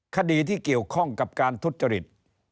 คดีที่เกี่ยวข้องกับการทุจริต